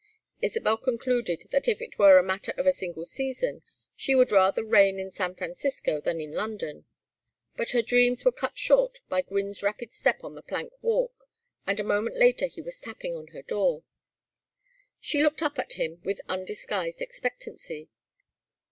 Isabel concluded that if it were a matter of a single season, she would rather reign in San Francisco than in London but her dreams were cut short by Gwynne's rapid step on the plank walk, and a moment later he was tapping on her door. She looked up at him with undisguised expectancy.